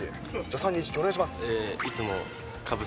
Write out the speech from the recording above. ３、２、１、キュー、お願いします。